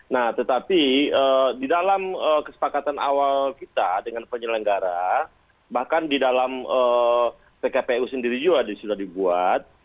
nah tetapi di dalam kesepakatan awal kita dengan penyelenggara bahkan di dalam pkpu sendiri juga sudah dibuat